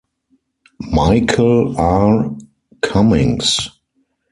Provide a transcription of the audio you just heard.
Michael, R. Cummings.